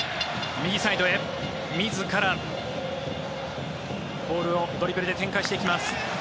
自ら、ボールをドリブルで展開していきます。